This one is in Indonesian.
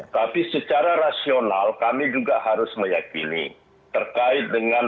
tapi secara rasional kami juga harus meyakini terkait dengan